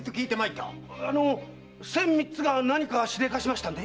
「千三つ」が何かしでかしましたか？